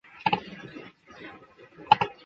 目前版本该预览器同样支持多核心。